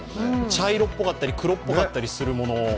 茶色っぽかったり黒っぽかったりするもの。